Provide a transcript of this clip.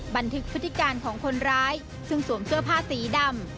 บันทึกพฤติการของคนร้ายซึ่งสวมเสื้อผ้าสีดำ